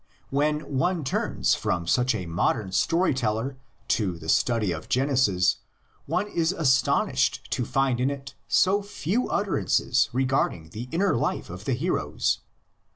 When one turns from such a mod ern story teller to the study of Genesis, one is aston ished to find in it so few utterances regarding the inner life of the heroes.